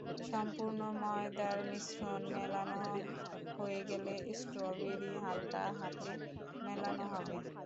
সম্পূর্ণ ময়দার মিশ্রণ মেলানো হয়ে গেলে স্ট্রবেরি হালকা হাতে মেলাতে হবে।